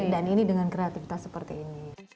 dan ini dengan kreativitas seperti ini